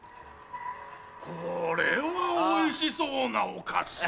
これはおいしそうなお菓子だ。